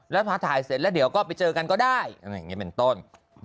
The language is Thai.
แล้วพอถ่ายเสร็จแล้วเดี๋ยวก็ไปเจอกันก็ได้เป็นต้น